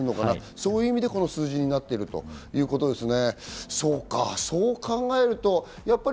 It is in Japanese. そういう意味でこの数字になっているということですね。